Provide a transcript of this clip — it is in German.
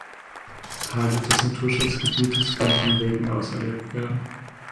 Teile des Naturschutzgebietes können von Wegen aus erlebt werden.